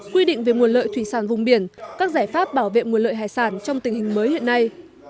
quy định về nguồn lợi thủy sản vùng biển các giải pháp bảo vệ nguồn lợi hải sản trong tình hình mới hiện nay